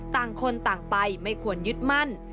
ต่างคนต่างไปไม่ควรยึดมั่น